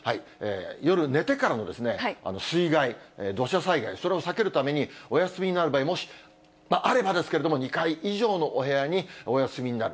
夜寝てからも、水害、土砂災害、それを避けるために、お休みになる場合、もし、あればですけれども、２階以上のお部屋にお休みになる。